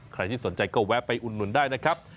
ใครที่สนใจก็แวะไปอุดหนุนได้นะครับ